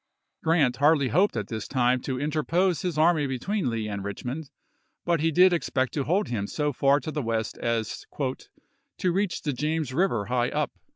Grant hardly hoped at this time to interpose his army between Lee and Eichmond, but he did ex pect to hold him so far to the West as " to reach Ibid, p. 252. the James River high up."